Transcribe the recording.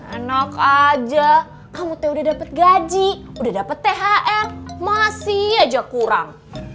enak aja kamu teh udah dapet gaji udah dapet thr masih aja kurang